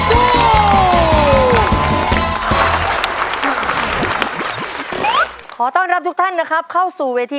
โดยการแข่งขาวของทีมเด็กเสียงดีจำนวนสองทีม